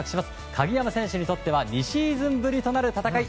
鍵山選手にとっては２シーズンぶりとなる戦い。